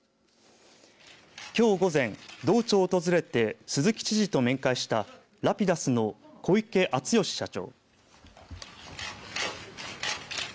きょう午前、道庁を訪れて鈴木知事と面会したＲａｐｉｄｕｓの小池淳義社長。